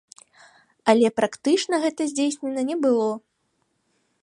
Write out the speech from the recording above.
Але практычна гэта здзейснена не было.